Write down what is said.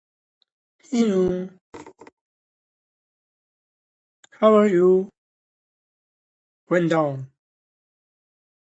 To fill this void came a maniacal being named Reignfire.